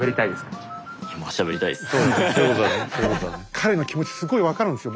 彼の気持ちすごい分かるんですよ。